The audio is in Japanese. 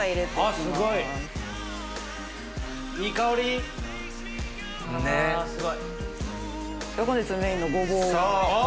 ・すごい・本日メインのごぼうを。